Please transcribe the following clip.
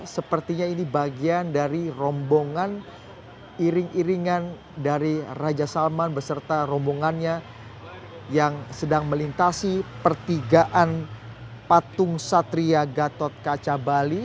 sepertinya ini bagian dari rombongan iring iringan dari raja salman beserta rombongannya yang sedang melintasi pertigaan patung satria gatot kaca bali